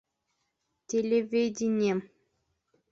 Телевидение